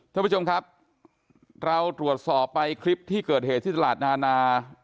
ท่านผู้ชมครับเราตรวจสอบไปคลิปที่เกิดเหตุที่ตลาดนานา